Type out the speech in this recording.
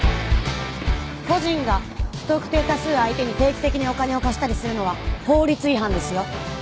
個人が不特定多数相手に定期的にお金を貸したりするのは法律違反ですよ。